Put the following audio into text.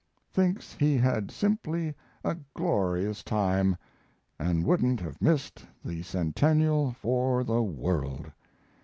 Thinks he had simply a glorious time, and wouldn't have missed the Centennial for the world.